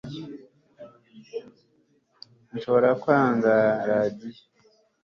nshobora kwanga radiyo